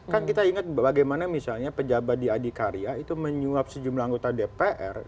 kan kita ingat bagaimana misalnya pejabat di adikarya itu menyuap sejumlah anggota dpr